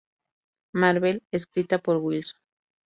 Marvel" escrita por Wilson.